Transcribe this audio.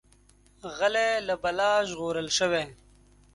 غلی، له بلا ژغورل شوی.